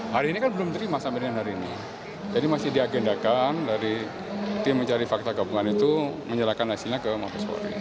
hari ini kan belum terima sampai dengan hari ini jadi masih diagendakan dari tim mencari fakta gabungan itu menyerahkan hasilnya ke mabes polri